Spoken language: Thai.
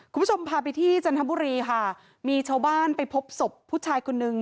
คุณผู้ชมพาไปที่จันทบุรีค่ะมีชาวบ้านไปพบศพผู้ชายคนนึง